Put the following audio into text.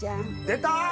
出た！